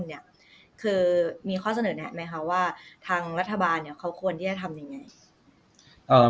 คือมีข้อเสนอแนะไหมคะว่าทางรัฐบาลเขาควรที่จะทำยังไง